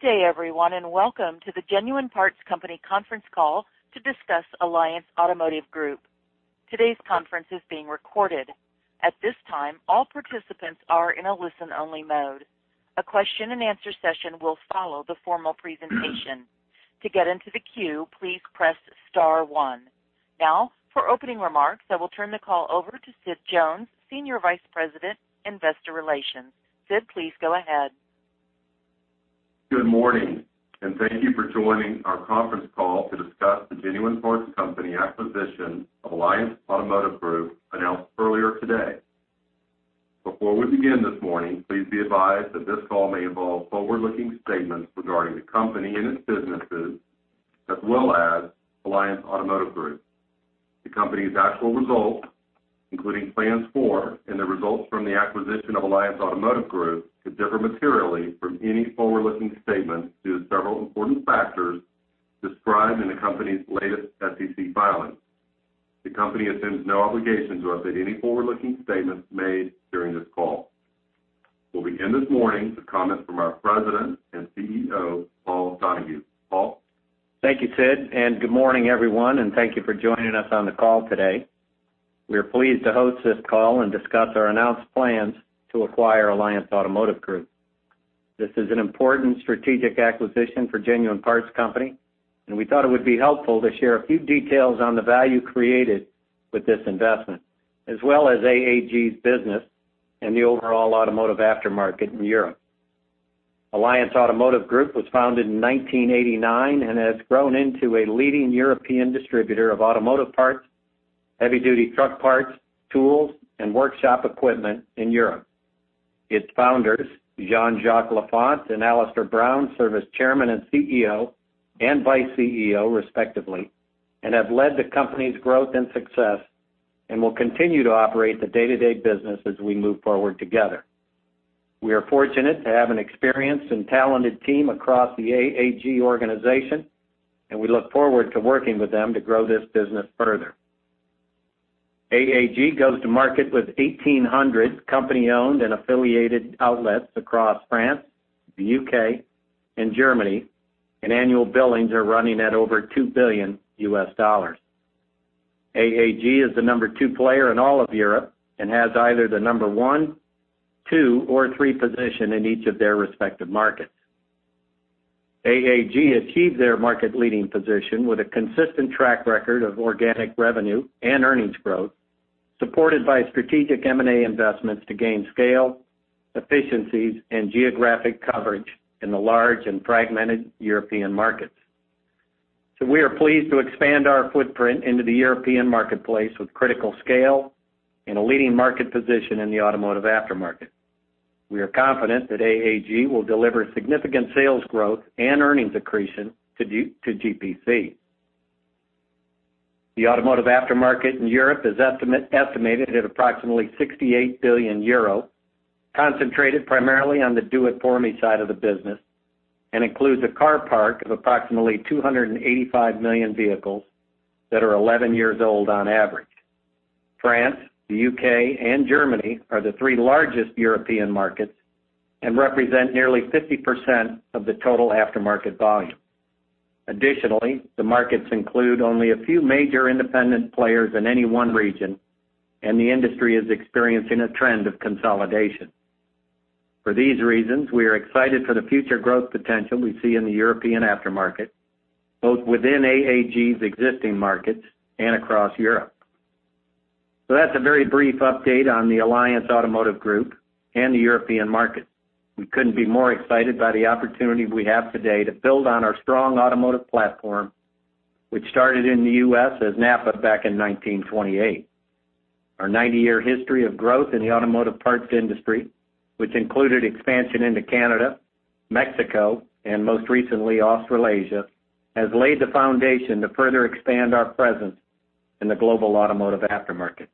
Good day everyone, welcome to the Genuine Parts Company conference call to discuss Alliance Automotive Group. Today's conference is being recorded. At this time, all participants are in a listen-only mode. A question and answer session will follow the formal presentation. To get into the queue, please press star one. For opening remarks, I will turn the call over to Sid Jones, Senior Vice President, Investor Relations. Sid, please go ahead. Good morning, thank you for joining our conference call to discuss the Genuine Parts Company acquisition of Alliance Automotive Group announced earlier today. Before we begin this morning, please be advised that this call may involve forward-looking statements regarding the company and its businesses, as well as Alliance Automotive Group. The company's actual results, including plans for and the results from the acquisition of Alliance Automotive Group, could differ materially from any forward-looking statements due to several important factors described in the company's latest SEC filings. The company assumes no obligation to update any forward-looking statements made during this call. We will begin this morning with comments from our President and CEO, Paul Donahue. Paul? Thank you, Sid, and good morning everyone, and thank you for joining us on the call today. We are pleased to host this call and discuss our announced plans to acquire Alliance Automotive Group. This is an important strategic acquisition for Genuine Parts Company, and we thought it would be helpful to share a few details on the value created with this investment, as well as AAG's business in the overall automotive aftermarket in Europe. Alliance Automotive Group was founded in 1989 and has grown into a leading European distributor of automotive parts, heavy-duty truck parts, tools, and workshop equipment in Europe. Its founders, Jean-Jacques Lafont and Alistair Brown, serve as chairman and CEO and vice CEO respectively, and have led the company's growth and success and will continue to operate the day-to-day business as we move forward together. We are fortunate to have an experienced and talented team across the AAG organization, and we look forward to working with them to grow this business further. AAG goes to market with 1,800 company-owned and affiliated outlets across France, the U.K., and Germany, and annual billings are running at over $2 billion. AAG is the number 2 player in all of Europe and has either the number 1, 2, or 3 position in each of their respective markets. AAG achieved their market-leading position with a consistent track record of organic revenue and earnings growth, supported by strategic M&A investments to gain scale, efficiencies, and geographic coverage in the large and fragmented European markets. We are pleased to expand our footprint into the European marketplace with critical scale and a leading market position in the automotive aftermarket. We are confident that AAG will deliver significant sales growth and earnings accretion to GPC. The automotive aftermarket in Europe is estimated at approximately 68 billion euro, concentrated primarily on the do-it-for-me side of the business, and includes a car park of approximately 285 million vehicles that are 11 years old on average. France, the U.K., and Germany are the three largest European markets and represent nearly 50% of the total aftermarket volume. Additionally, the markets include only a few major independent players in any one region, and the industry is experiencing a trend of consolidation. For these reasons, we are excited for the future growth potential we see in the European aftermarket, both within AAG's existing markets and across Europe. That's a very brief update on the Alliance Automotive Group and the European market. We couldn't be more excited by the opportunity we have today to build on our strong automotive platform, which started in the U.S. as NAPA back in 1928. Our 90-year history of growth in the automotive parts industry, which included expansion into Canada, Mexico, and most recently Australasia, has laid the foundation to further expand our presence in the global automotive aftermarket.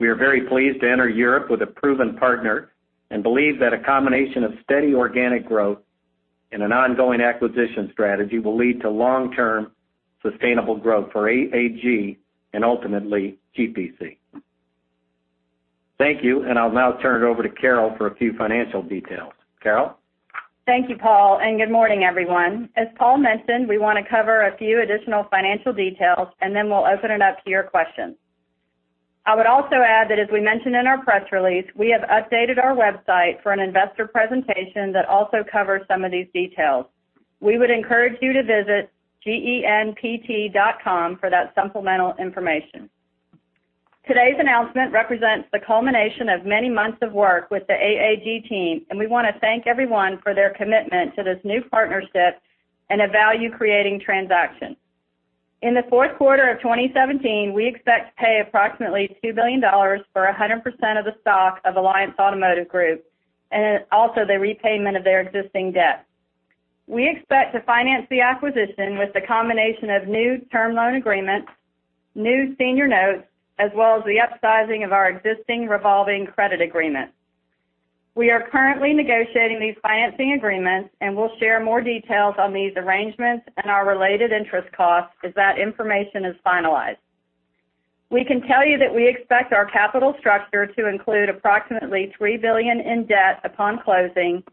We are very pleased to enter Europe with a proven partner and believe that a combination of steady organic growth and an ongoing acquisition strategy will lead to long-term sustainable growth for AAG and ultimately GPC. Thank you, and I'll now turn it over to Carol for a few financial details. Carol? Thank you, Paul, and good morning, everyone. As Paul mentioned, we want to cover a few additional financial details and then we'll open it up to your questions. I would also add that as we mentioned in our press release, we have updated our website for an investor presentation that also covers some of these details. We would encourage you to visit genpt.com for that supplemental information. Today's announcement represents the culmination of many months of work with the AAG team, and we want to thank everyone for their commitment to this new partnership and a value-creating transaction. In the fourth quarter of 2017, we expect to pay approximately $2 billion for 100% of the stock of Alliance Automotive Group and also the repayment of their existing debt. We expect to finance the acquisition with a combination of new term loan agreements, new senior notes, as well as the upsizing of our existing revolving credit agreement. We are currently negotiating these financing agreements and will share more details on these arrangements and our related interest costs as that information is finalized. We can tell you that we expect our capital structure to include approximately $3 billion in debt upon closing,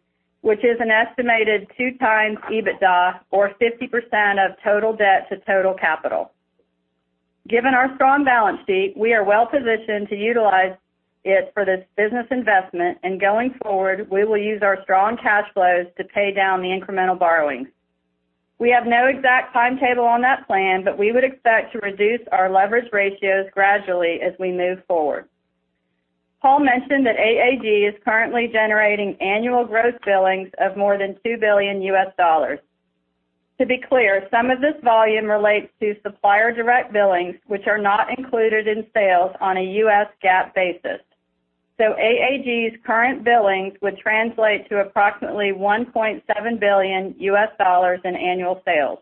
which is an estimated 2x EBITDA or 50% of total debt to total capital. Given our strong balance sheet, we are well-positioned to utilize it for this business investment, and going forward, we will use our strong cash flows to pay down the incremental borrowing. We have no exact timetable on that plan, but we would expect to reduce our leverage ratios gradually as we move forward. Paul mentioned that AAG is currently generating annual gross billings of more than $2 billion. To be clear, some of this volume relates to supplier direct billings, which are not included in sales on a US GAAP basis. AAG's current billings would translate to approximately $1.7 billion in annual sales.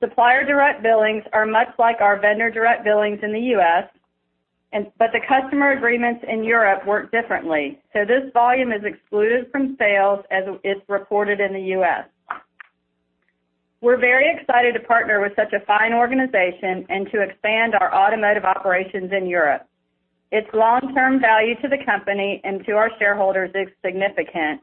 Supplier direct billings are much like our vendor direct billings in the U.S., but the customer agreements in Europe work differently. This volume is excluded from sales as it's reported in the U.S. We're very excited to partner with such a fine organization and to expand our automotive operations in Europe. Its long-term value to the company and to our shareholders is significant,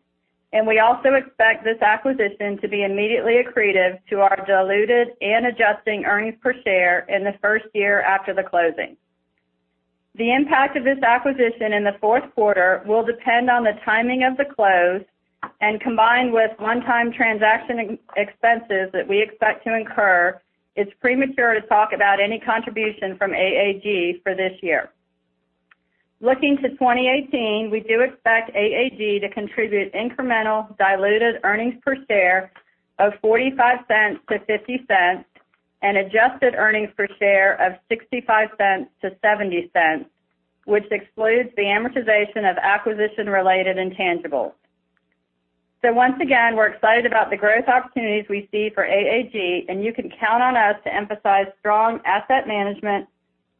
and we also expect this acquisition to be immediately accretive to our diluted and adjusted earnings per share in the first year after the closing. The impact of this acquisition in the fourth quarter will depend on the timing of the close, and combined with one-time transaction expenses that we expect to incur, it's premature to talk about any contribution from AAG for this year. Looking to 2018, we do expect AAG to contribute incremental diluted earnings per share of $0.45 to $0.50 and adjusted earnings per share of $0.65 to $0.70, which excludes the amortization of acquisition-related intangibles. Once again, we're excited about the growth opportunities we see for AAG, and you can count on us to emphasize strong asset management,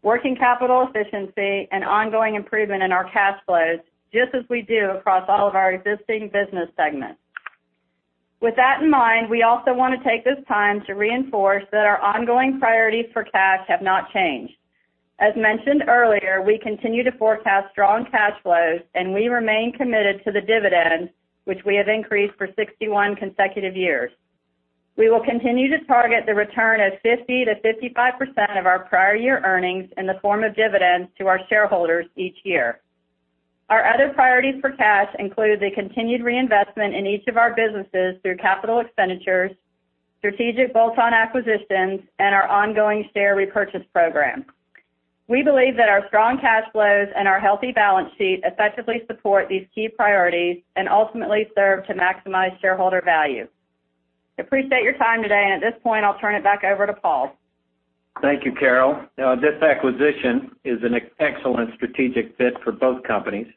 working capital efficiency, and ongoing improvement in our cash flows, just as we do across all of our existing business segments. With that in mind, we also want to take this time to reinforce that our ongoing priorities for cash have not changed. As mentioned earlier, we continue to forecast strong cash flows, and we remain committed to the dividend, which we have increased for 61 consecutive years. We will continue to target the return of 50%-55% of our prior year earnings in the form of dividends to our shareholders each year. Our other priorities for cash include the continued reinvestment in each of our businesses through capital expenditures, strategic bolt-on acquisitions, and our ongoing share repurchase program. We believe that our strong cash flows and our healthy balance sheet effectively support these key priorities and ultimately serve to maximize shareholder value. Appreciate your time today, and at this point, I'll turn it back over to Paul. Thank you, Carol. This acquisition is an excellent strategic fit for both companies,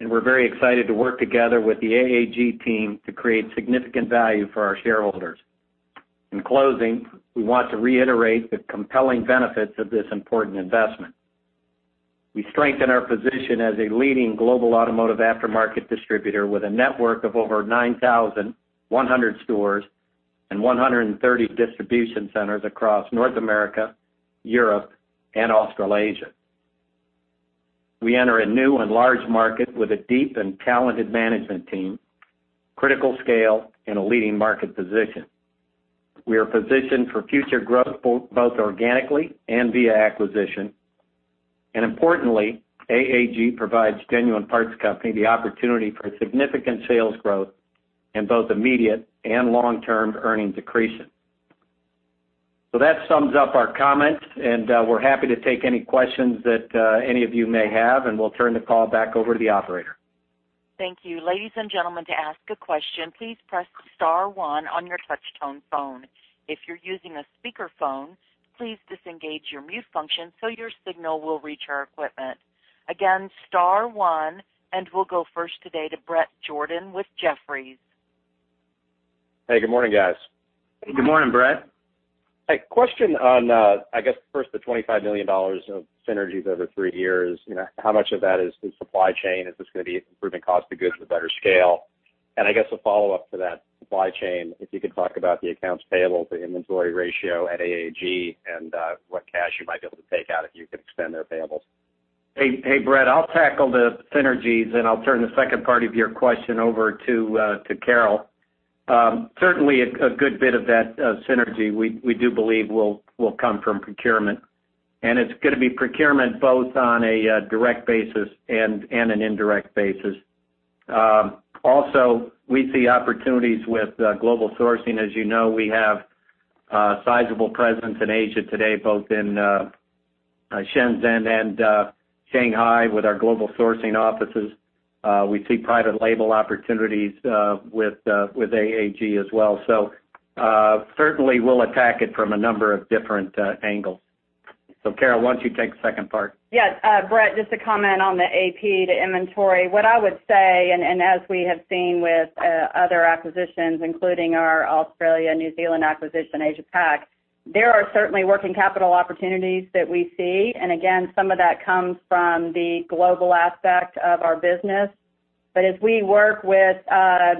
and we're very excited to work together with the AAG team to create significant value for our shareholders. In closing, we want to reiterate the compelling benefits of this important investment. We strengthen our position as a leading global automotive aftermarket distributor with a network of over 9,100 stores and 130 distribution centers across North America, Europe, and Australasia. We enter a new and large market with a deep and talented management team, critical scale, and a leading market position. We are positioned for future growth both organically and via acquisition. Importantly, AAG provides Genuine Parts Company the opportunity for significant sales growth in both immediate and long-term earnings accretion. That sums up our comments, and we're happy to take any questions that any of you may have, and we'll turn the call back over to the operator. Thank you. Ladies and gentlemen, to ask a question, please press *1 on your touchtone phone. If you're using a speakerphone, please disengage your mute function so your signal will reach our equipment. Again, *1, we'll go first today to Bret Jordan with Jefferies. Hey, good morning, guys. Good morning, Bret. A question on, I guess first, the $25 million of synergies over 3 years. How much of that is the supply chain? Is this going to be improving cost of goods with better scale? I guess a follow-up to that supply chain, if you could talk about the accounts payable to inventory ratio at AAG and what cash you might be able to take out if you could extend their payables. Hey, Bret. I'll tackle the synergies, I'll turn the second part of your question over to Carol. Certainly, a good bit of that synergy we do believe will come from procurement, it's going to be procurement both on a direct basis and an indirect basis. We see opportunities with global sourcing. As you know, we have a sizable presence in Asia today, both in Shenzhen and Shanghai with our global sourcing offices. We see private label opportunities with AAG as well. Certainly, we'll attack it from a number of different angles. Carol, why don't you take the second part? Yes, Bret, just to comment on the AP to inventory. What I would say, as we have seen with other acquisitions, including our Australia, New Zealand acquisition, Asia Pac, there are certainly working capital opportunities that we see. Again, some of that comes from the global aspect of our business. As we work with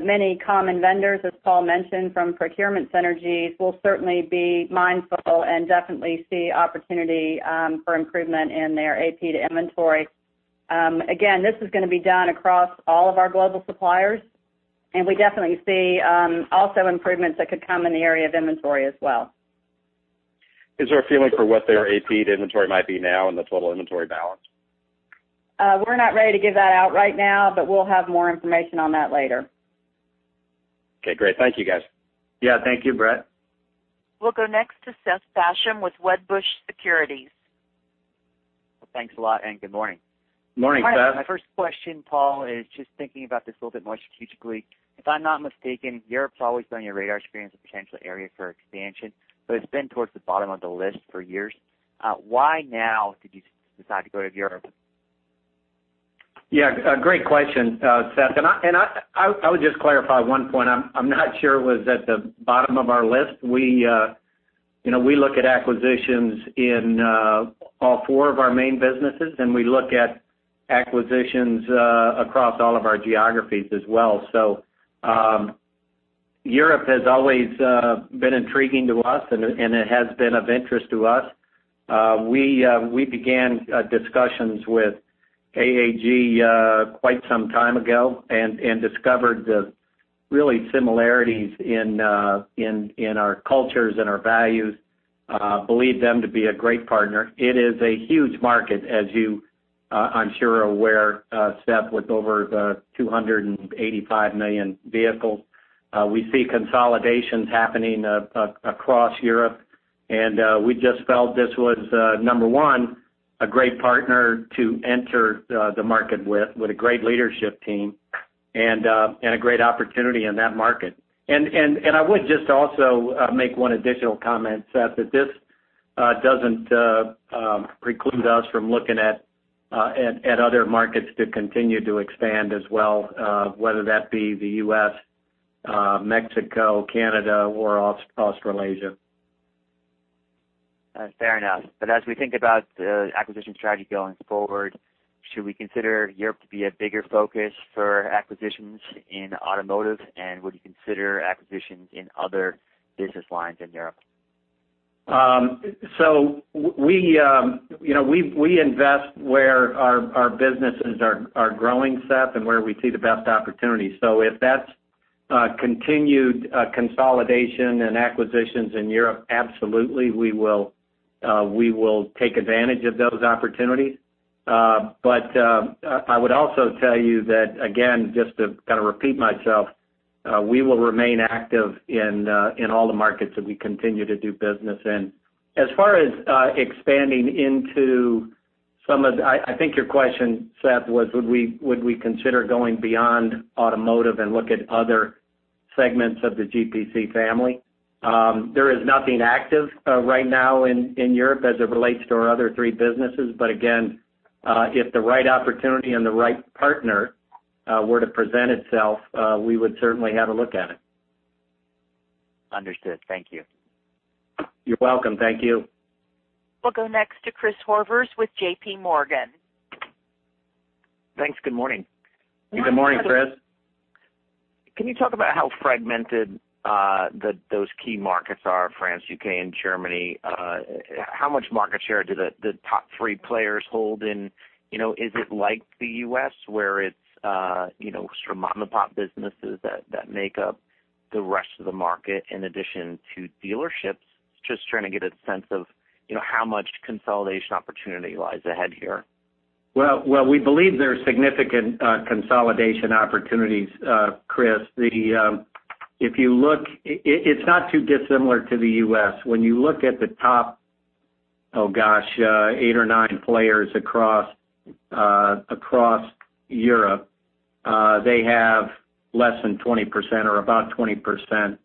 many common vendors, as Paul mentioned, from procurement synergies, we'll certainly be mindful and definitely see opportunity for improvement in their AP to inventory. Again, this is going to be done across all of our global suppliers, we definitely see also improvements that could come in the area of inventory as well. Is there a feeling for what their AP to inventory might be now and the total inventory balance? We're not ready to give that out right now, we'll have more information on that later. Okay, great. Thank you, guys. Yeah, thank you, Bret. We'll go next to Seth Basham with Wedbush Securities. Well, thanks a lot, and good morning. Morning, Seth. My first question, Paul, is just thinking about this a little bit more strategically. If I'm not mistaken, Europe's always been on your radar screen as a potential area for expansion, but it's been towards the bottom of the list for years. Why now did you decide to go to Europe? Yeah, great question, Seth, and I would just clarify one point. I'm not sure it was at the bottom of our list. We look at acquisitions in all four of our main businesses, and we look at acquisitions across all of our geographies as well. Europe has always been intriguing to us, and it has been of interest to us. We began discussions with AAG quite some time ago and discovered the really similarities in our cultures and our values, believe them to be a great partner. It is a huge market, as you I'm sure are aware, Seth, with over 285 million vehicles. We see consolidations happening across Europe, and we just felt this was, number one, a great partner to enter the market with a great leadership team, and a great opportunity in that market. I would just also make one additional comment, Seth, that this doesn't preclude us from looking at other markets to continue to expand as well, whether that be the U.S., Mexico, Canada, or Australasia. That's fair enough. As we think about the acquisition strategy going forward, should we consider Europe to be a bigger focus for acquisitions in automotive, and would you consider acquisitions in other business lines in Europe? We invest where our businesses are growing, Seth, and where we see the best opportunity. If that's continued consolidation and acquisitions in Europe, absolutely, we will take advantage of those opportunities. I would also tell you that, again, just to kind of repeat myself, we will remain active in all the markets that we continue to do business in. As far as expanding into some of the-- I think your question, Seth, was would we consider going beyond automotive and look at other segments of the GPC family? There is nothing active right now in Europe as it relates to our other three businesses. Again, if the right opportunity and the right partner were to present itself, we would certainly have a look at it. Understood. Thank you. You're welcome. Thank you. We'll go next to Christopher Horvers with JP Morgan. Thanks. Good morning. Good morning, Chris. Can you talk about how fragmented those key markets are, France, U.K., and Germany? How much market share do the top three players hold in? Is it like the U.S. where it's mom-and-pop businesses that make up the rest of the market in addition to dealerships? Just trying to get a sense of how much consolidation opportunity lies ahead here. We believe there are significant consolidation opportunities, Chris. It's not too dissimilar to the U.S. When you look at the top, oh gosh, eight or nine players across Europe, they have less than 20% or about 20%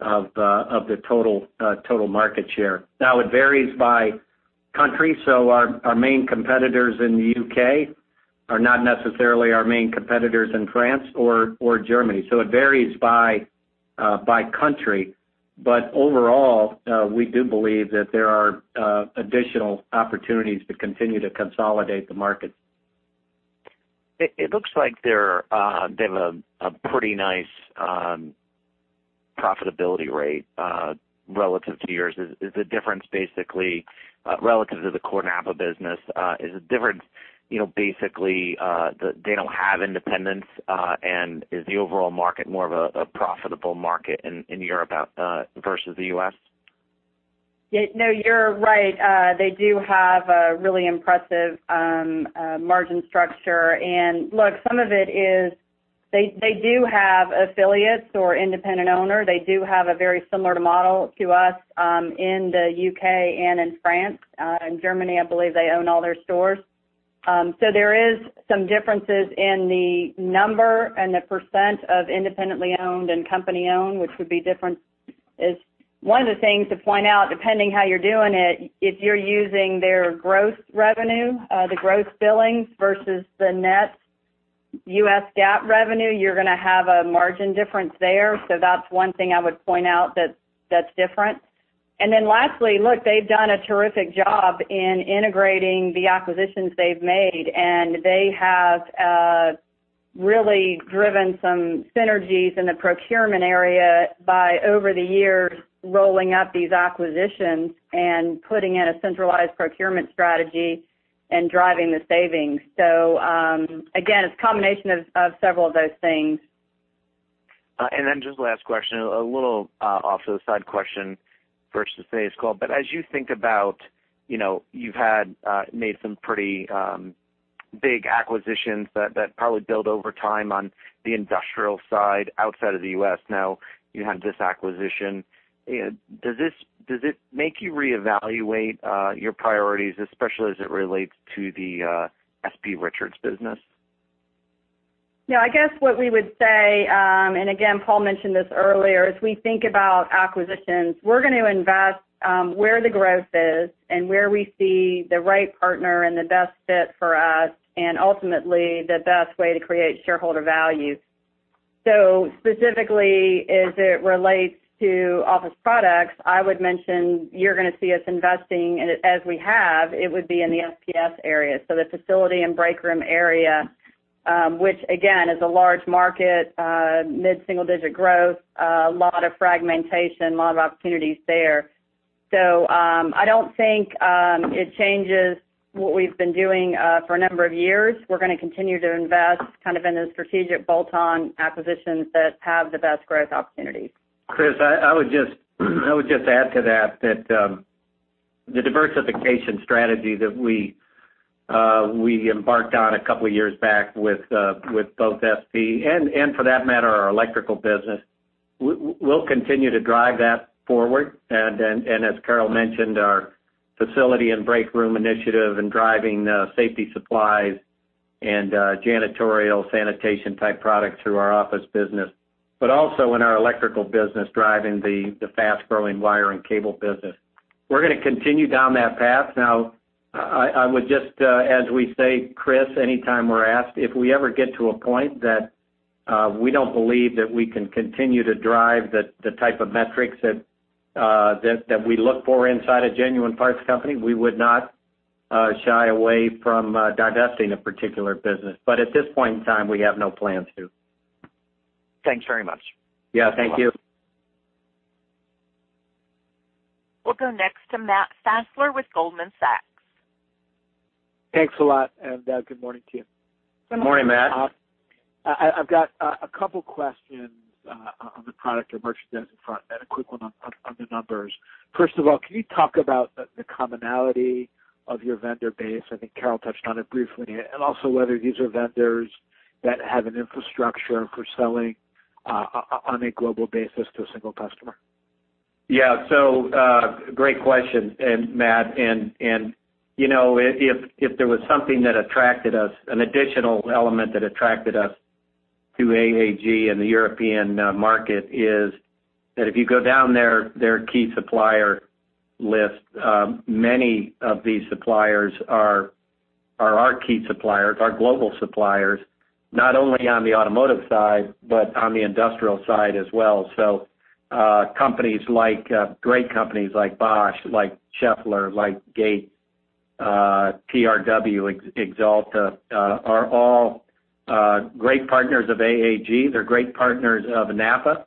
of the total market share. It varies by country, so our main competitors in the U.K. are not necessarily our main competitors in France or Germany. It varies by country. Overall, we do believe that there are additional opportunities to continue to consolidate the market. It looks like they have a pretty nice profitability rate relative to yours. Is the difference basically relative to the core NAPA business? Is the difference basically that they don't have independence, and is the overall market more of a profitable market in Europe versus the U.S.? No, you're right. They do have a really impressive margin structure. Look, some of it is they do have affiliates or independent owner. They do have a very similar model to us in the U.K. and in France. In Germany, I believe they own all their stores. There is some differences in the number and the % of independently owned and company-owned, which would be different. One of the things to point out, depending how you're doing it, if you're using their gross revenue, the gross billing versus the net US GAAP revenue, you're going to have a margin difference there. That's one thing I would point out that's different. Lastly, look, they've done a terrific job in integrating the acquisitions they've made, and they have really driven some synergies in the procurement area by, over the years, rolling up these acquisitions and putting in a centralized procurement strategy and driving the savings. Again, it's a combination of several of those things. Just last question, a little off to the side question versus today's call. As you think about, you've made some pretty big acquisitions that probably build over time on the industrial side outside of the U.S. Now you have this acquisition. Does it make you reevaluate your priorities, especially as it relates to the S.P. Richards business? I guess what we would say, and again, Paul mentioned this earlier, as we think about acquisitions, we're going to invest where the growth is and where we see the right partner and the best fit for us, and ultimately the best way to create shareholder value. Specifically as it relates to Office Products, I would mention, you're going to see us investing in it as we have, it would be in the FPS area. The facility and break room area, which again, is a large market, mid-single digit growth, a lot of fragmentation, a lot of opportunities there. I don't think it changes what we've been doing for a number of years. We're going to continue to invest kind of in those strategic bolt-on acquisitions that have the best growth opportunities. Chris, I would just add to that the diversification strategy that we embarked on a couple of years back with both S.P., and for that matter, our electrical business, we'll continue to drive that forward. As Carol mentioned, our facility and break room initiative and driving safety supplies and janitorial sanitation type products through our office business. Also in our electrical business, driving the fast-growing wire and cable business. We're going to continue down that path. I would just, as we say, Chris, anytime we're asked, if we ever get to a point that we don't believe that we can continue to drive the type of metrics that we look for inside a Genuine Parts Company, we would not shy away from divesting a particular business. At this point in time, we have no plans to. Thanks very much. Yeah, thank you. We'll go next to Matt Fassler with Goldman Sachs. Thanks a lot, and good morning to you. Good morning, Matt. I've got a couple questions on the product or merchandise front and a quick one on the numbers. First of all, can you talk about the commonality of your vendor base? I think Carol touched on it briefly. Also whether these are vendors that have an infrastructure for selling on a global basis to a single customer. Yeah. Great question, Matt. If there was something that attracted us, an additional element that attracted us to AAG and the European market is that if you go down their key supplier list, many of these suppliers are our key suppliers, our global suppliers, not only on the automotive side, but on the industrial side as well. Great companies like Bosch, like Schaeffler, like Gates, TRW, Axalta, are all great partners of AAG. They're great partners of NAPA,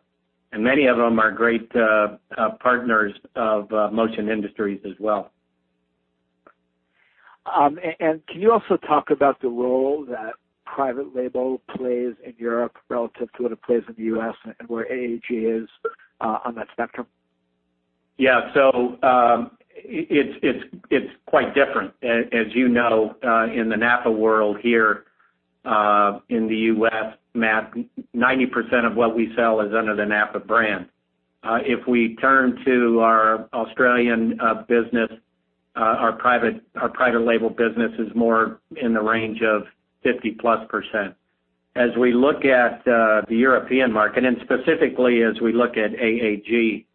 and many of them are great partners of Motion Industries as well. Can you also talk about the role that private label plays in Europe relative to what it plays in the U.S. and where AAG is on that spectrum? It's quite different. As you know, in the NAPA world here, in the U.S., Matt, 90% of what we sell is under the NAPA brand. If we turn to our Australian business, our private label business is more in the range of 50-plus %. As we look at the European market, specifically as we look at AAG,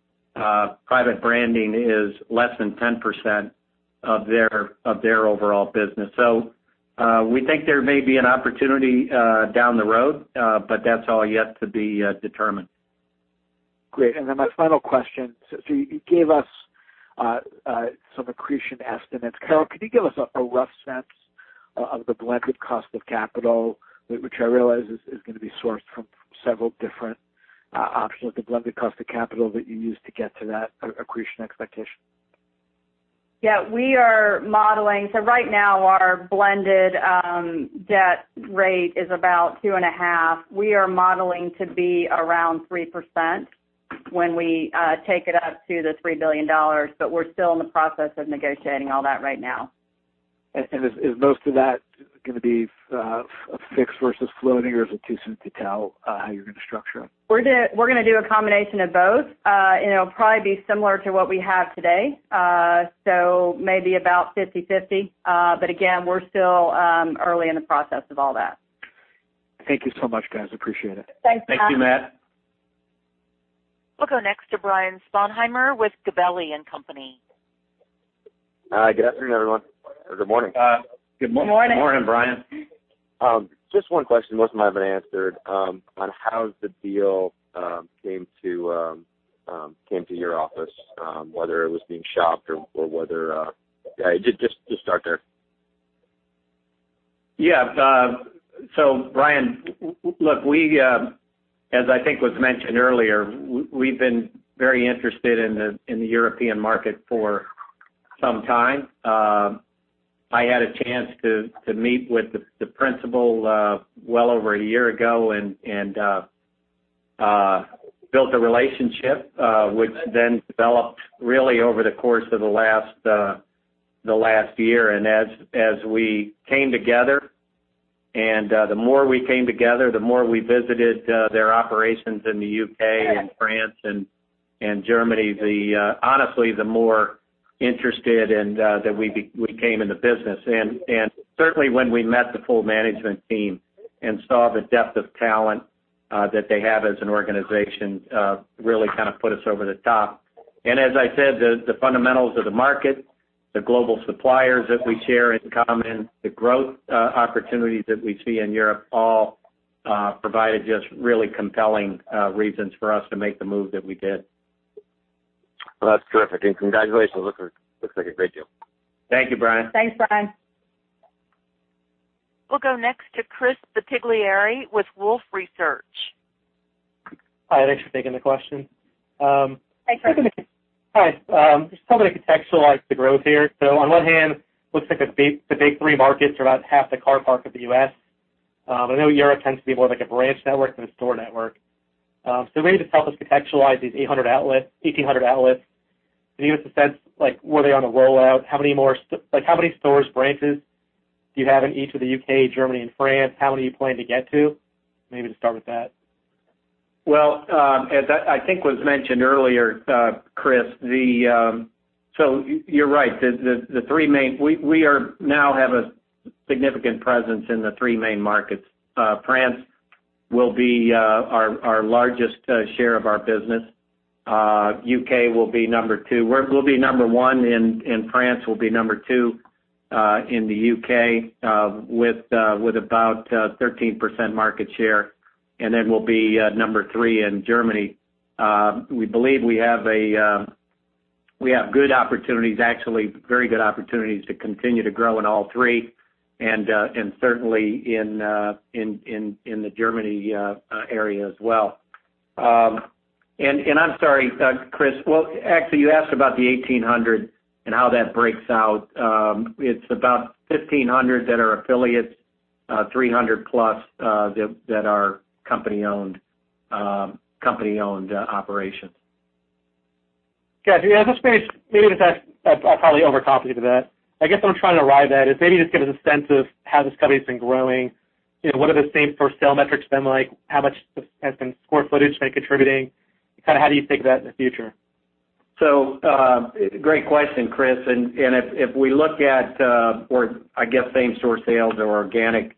private branding is less than 10% of their overall business. We think there may be an opportunity down the road, but that's all yet to be determined. Great. My final question. You gave us some accretion estimates. Carol, can you give us a rough sense of the blended cost of capital, which I realize is going to be sourced from several different options, the blended cost of capital that you used to get to that accretion expectation? We are modeling. Right now, our blended debt rate is about 2.5%. We are modeling to be around 3% when we take it up to the $3 billion, we're still in the process of negotiating all that right now. Is most of that going to be fixed versus floating, or is it too soon to tell how you're going to structure it? We're going to do a combination of both. It'll probably be similar to what we have today. Maybe about 50/50. Again, we're still early in the process of all that. Thank you so much, guys. Appreciate it. Thanks, Matt. Thank you, Matt. We'll go next to Brian Sponheimer with Gabelli & Company. Hi. Good afternoon, everyone. Good morning. Good morning. Good morning. Morning, Brian. Just one question, most of them have been answered, on how the deal came to your office, whether it was being shopped or whether. Just start there. Yeah. Brian, look, as I think was mentioned earlier, we've been very interested in the European market for some time. I had a chance to meet with the principal well over a year ago and built a relationship, which then developed really over the course of the last year. As we came together, and the more we came together, the more we visited their operations in the U.K. and France and Germany, honestly, the more interested that we became in the business. Certainly when we met the full management team and saw the depth of talent that they have as an organization, really kind of put us over the top. As I said, the fundamentals of the market, the global suppliers that we share in common, the growth opportunities that we see in Europe all provided just really compelling reasons for us to make the move that we did. Well, that's terrific. Congratulations. Looks like a great deal. Thank you, Brian. Thanks, Brian. We'll go next to Chris Bottiglieri with Wolfe Research. Hi, thanks for taking the question. Hi, Chris. Hi. Just helping to contextualize the growth here. On one hand, looks like the big three markets are about half the car park of the U.S. I know Europe tends to be more like a branch network than a store network. Maybe just help us contextualize these 1,800 outlets. Can you give us a sense, were they on a rollout? How many stores, branches, do you have in each of the U.K., Germany, and France? How many do you plan to get to? Maybe just start with that. Well, as I think was mentioned earlier, Chris, so you're right. We now have a significant presence in the three main markets. France will be our largest share of our business. U.K. will be number two. We'll be number one in France. We'll be number two in the U.K., with about 13% market share. We'll be number three in Germany. We believe we have good opportunities, actually, very good opportunities to continue to grow in all three, and certainly in the Germany area as well. I'm sorry, Chris. Well, actually, you asked about the 1,800 and how that breaks out. It's about 1,500 that are affiliates, 300 plus that are company-owned operations. Got you. Yeah, maybe I probably over-complicated that. I guess what I'm trying to arrive at is maybe just give us a sense of how this company's been growing. What are the same store sale metrics been like? How much has been square footage been contributing? Kind of how do you think of that in the future? Great question, Chris. If we look at same store sales or organic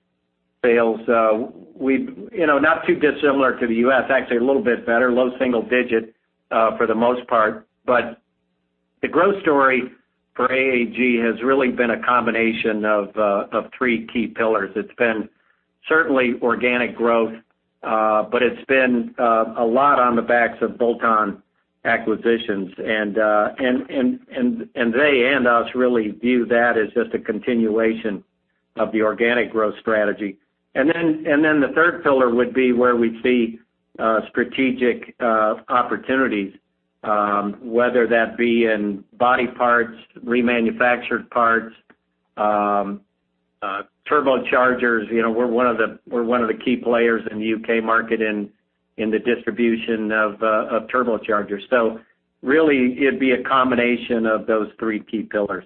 sales, not too dissimilar to the U.S., actually a little bit better, low single-digit for the most part. The growth story for AAG has really been a combination of three key pillars. It's been certainly organic growth, but it's been a lot on the backs of bolt-on acquisitions. They and us really view that as just a continuation of the organic growth strategy. The third pillar would be where we see strategic opportunities, whether that be in body parts, remanufactured parts, turbochargers. We're one of the key players in the U.K. market in the distribution of turbochargers. Really, it'd be a combination of those three key pillars.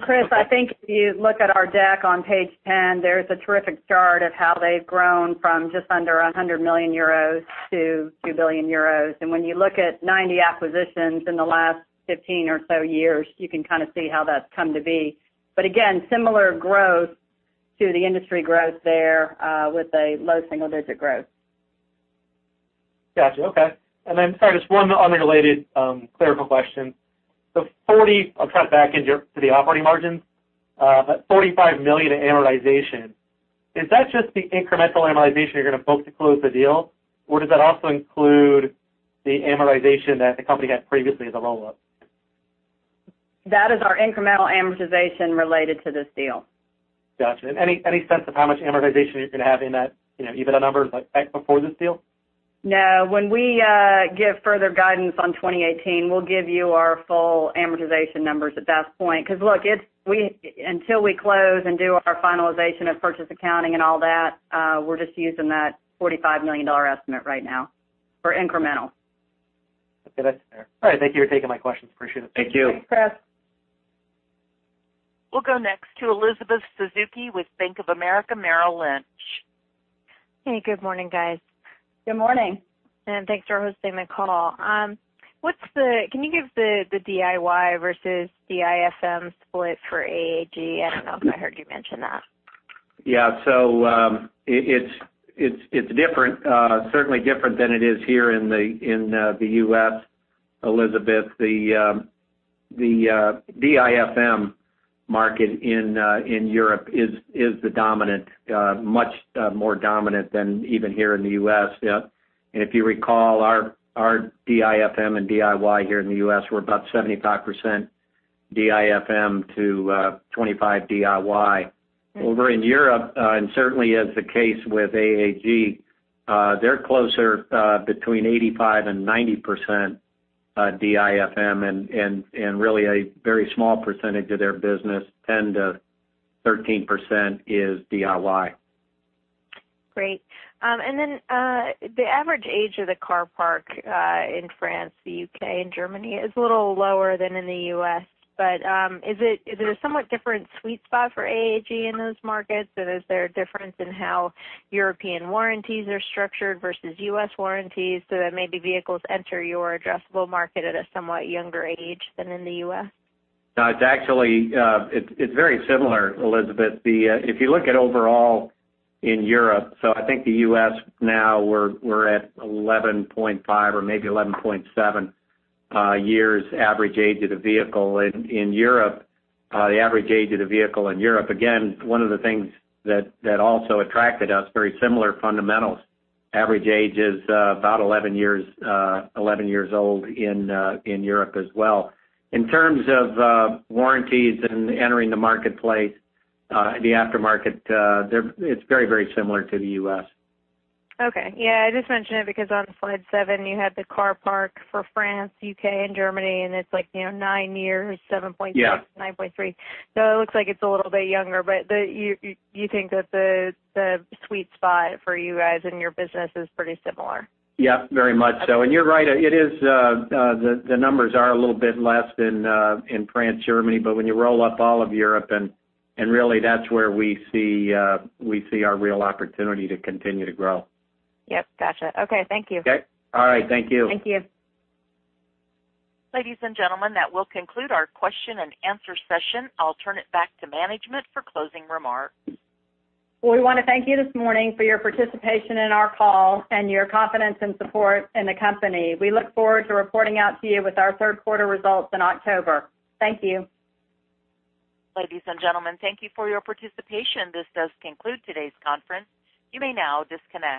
Chris, I think if you look at our deck on page 10, there's a terrific chart of how they've grown from just under 100 million euros to 2 billion euros. When you look at 90 acquisitions in the last 15 or so years, you can kind of see how that's come to be. Again, similar growth to the industry growth there, with a low single-digit growth. Got you. Okay. Sorry, just one unrelated clerical question. I'll try to back into the operating margins, that $45 million in amortization. Is that just the incremental amortization you're going to book to close the deal, or does that also include the amortization that the company had previously as a roll-up? That is our incremental amortization related to this deal. Got you. Any sense of how much amortization you're going to have in that EBITDA numbers, like before this deal? No. When we give further guidance on 2018, we'll give you our full amortization numbers at that point. Look, until we close and do our finalization of purchase accounting and all that, we're just using that $45 million estimate right now for incremental. Okay. That's fair. All right. Thank you for taking my questions. Appreciate it. Thank you. Thanks, Chris. We'll go next to Elizabeth Suzuki with Bank of America Merrill Lynch. Hey, good morning, guys. Good morning. Thanks for hosting the call. Can you give the DIY versus DIFM split for AAG? I don't know if I heard you mention that. It's different, certainly different than it is here in the U.S., Elizabeth. The DIFM market in Europe is the dominant, much more dominant than even here in the U.S. If you recall our DIFM and DIY here in the U.S. we're about 75% DIFM to 25% DIY. Over in Europe, certainly as the case with AAG, they're closer, between 85%-90% DIFM and really a very small percentage of their business, 10%-13% is DIY. Great. The average age of the car park, in France, the U.K., and Germany is a little lower than in the U.S., is it a somewhat different sweet spot for AAG in those markets, or is there a difference in how European warranties are structured versus U.S. warranties, so that maybe vehicles enter your addressable market at a somewhat younger age than in the U.S.? No, it's very similar, Elizabeth. If you look at overall in Europe, I think the U.S. now we're at 11.5 or maybe 11.7 years average age of the vehicle. In Europe, the average age of the vehicle in Europe, again, one of the things that also attracted us, very similar fundamentals. Average age is about 11 years old in Europe as well. In terms of warranties and entering the marketplace, the aftermarket, it's very, very similar to the U.S. Okay. Yeah, I just mentioned it because on slide seven you had the car park for France, U.K., and Germany, and it's like nine years, 7.6- Yeah 9.3. It looks like it's a little bit younger, but you think that the sweet spot for you guys and your business is pretty similar? Yeah, very much so. You're right, the numbers are a little bit less than, in France, Germany. When you roll up all of Europe and really that's where we see our real opportunity to continue to grow. Yep. Gotcha. Okay. Thank you. Okay. All right. Thank you. Thank you. Ladies and gentlemen, that will conclude our question and answer session. I'll turn it back to management for closing remarks. Well, we want to thank you this morning for your participation in our call and your confidence and support in the company. We look forward to reporting out to you with our third quarter results in October. Thank you. Ladies and gentlemen, thank you for your participation. This does conclude today's conference. You may now disconnect.